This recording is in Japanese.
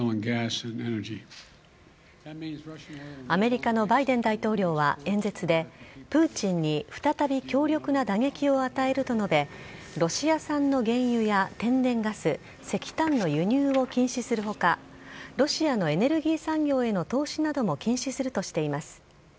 アメリカのバイデン大統領は演説で、プーチンに再び強力な打撃を与えると述べ、ロシア産の原油や天然ガス、石炭の輸入を禁止するほか、ロシアのエネルギー産業への投資なども禁止するとしています。